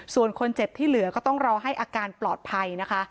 ส่วนคนเจ็บที่เหลือก็ต้องรอให้อาการปลอดภัยนะคะ